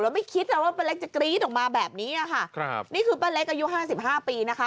ไม่คิดอ่ะว่าป้าเล็กจะกรี๊ดออกมาแบบนี้อ่ะค่ะครับนี่คือป้าเล็กอายุห้าสิบห้าปีนะคะ